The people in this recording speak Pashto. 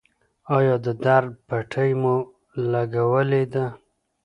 ایا د درد پټۍ مو لګولې ده؟